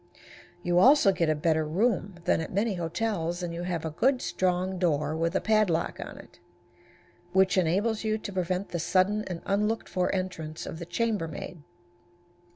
You also get a better room than at many hotels, and you have a good strong door, with a padlock on it, which enables you to prevent the sudden and unlooked for entrance of the chambermaid.